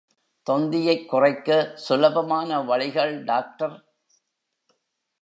தொந்தியைக் குறைக்க சுலபமான வழிகள் டாக்டர்.